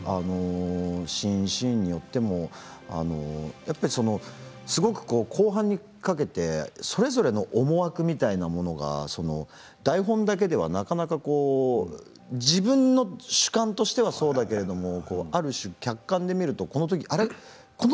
シーン、シーンによってもすごく、後半にかけてそれぞれの思惑みたいなものが台本だけではなかなか自分の主観としてはそうだけれどある種、客観で見るとあれ？